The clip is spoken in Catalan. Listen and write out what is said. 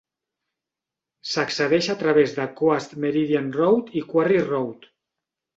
S'accedeix a través de Coast Meridian Road i Quarry Road.